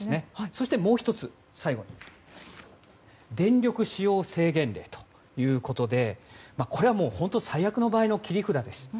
そして、もう１つ電力使用制限令ということでこれは本当最悪の場合の切り札です。